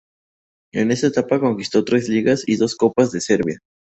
En esta etapa conquistó tres Ligas y dos Copas de Serbia.